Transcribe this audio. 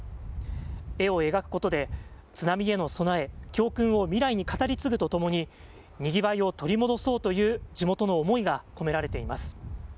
絵を描くことで、津波への備え、教訓を未来に語り継ぐとともに、にぎわいを取り戻そうという地元の思いが込められています。